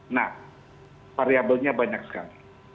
nah variabelnya banyak sekali